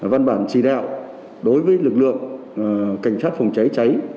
văn bản chỉ đạo đối với lực lượng cảnh sát phòng cháy cháy